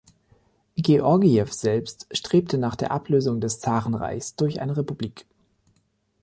Georgiew selbst strebte nach der Ablösung des Zarenreichs durch eine Republik.